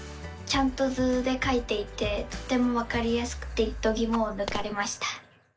ちゃんと図でかいていてとてもわかりやすくてどぎもをぬかれました！